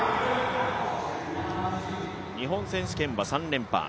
日本選手権は３連覇。